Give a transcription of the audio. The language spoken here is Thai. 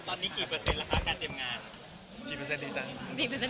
ตอนนี้กี่เปอร์สินต์ราคาการเตรียมงาน